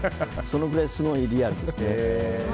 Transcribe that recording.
そのぐらいすごいリアルです。